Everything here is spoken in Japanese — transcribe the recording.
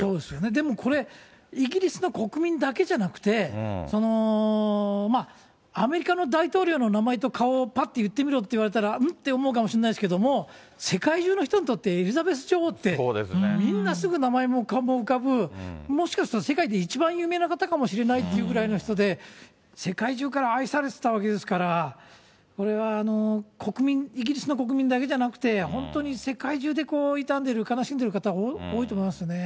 でもこれ、イギリスの国民だけじゃなくて、アメリカの大統領の名前と顔をぱっと言ってみろと言われたら、ん？って思うかもしれないけど、世界中の人にとってエリザベス女王って、みんなすぐ名前も顔も浮かぶ、もしかすると世界で一番有名な方かもしれないっていうぐらいの人で、世界中から愛されてたわけですから、これは国民、イギリスの国民だけじゃなくて、本当に世界中で悼んでる、悲しんでる方多いと思いますね。